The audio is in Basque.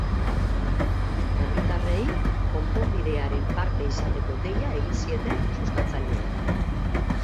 Herritarrei konponbidearen parte izateko deia egin zieten sustatzaileek.